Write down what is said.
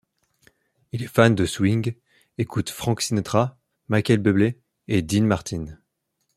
Il est fan de swing, écoute Frank Sinatra, Michael Bublé et Dean Martin.